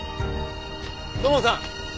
土門さん！